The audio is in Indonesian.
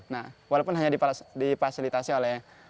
nah walaupun hanya difasilitasi oleh